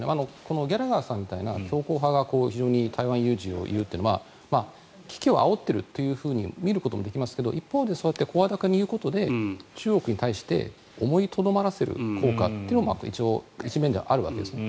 ギャラガーさんみたいな強硬派が台湾有事を言うって危機をあおっていると見ることもできますが一方で、声高に言うことで中国に対して思いとどまらせる効果も一応、一面ではあるわけですね。